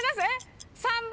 ３番。